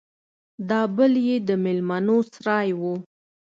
دا بل يې د ميلمنو سراى و.